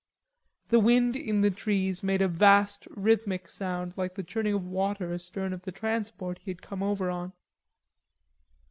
The wind in the trees made a vast rhythmic sound like the churning of water astern of the transport he had come over on.